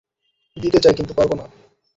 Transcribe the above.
দিতে চাই, কিন্তু পারব না।